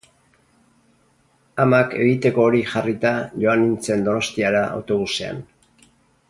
Amak egiteko hori jarrita joan nintzen Donostiara autobusean.